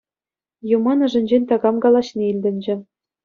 Юман ӑшӗнчен такам калаҫни илтӗнчӗ.